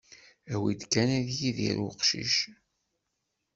Awid kan ad yidir uqcic.